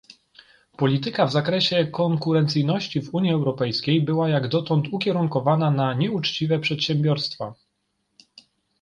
Polityka w zakresie konkurencyjności w Unii Europejskiej była jak dotąd ukierunkowana na nieuczciwe przedsiębiorstwa